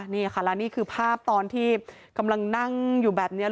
นี่ค่ะแล้วนี่คือภาพตอนที่กำลังนั่งอยู่แบบนี้